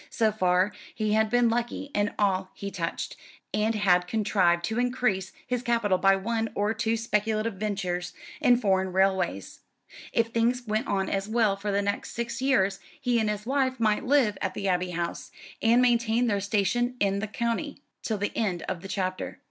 So far he had been lucky in all he touched, and had contrived to increase his capital by one or two speculative ventures in foreign railways. If things went on as well for the next six years he and his wife might live at the Abbey House, and maintain their station in the county, till the end of the chapter.